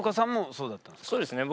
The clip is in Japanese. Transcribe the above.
そうですね